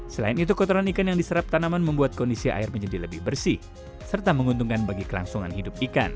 selain itu kotoran ikan yang diserap tanaman membuat kondisi air menjadi lebih bersih serta menguntungkan bagi kelangsungan hidup ikan